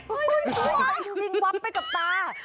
ดูจริงหวับไปกับตา